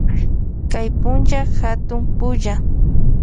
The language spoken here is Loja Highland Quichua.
Kay punlla katun pulla.